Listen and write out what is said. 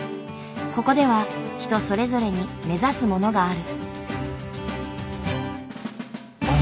ここでは人それぞれに目指すものがある。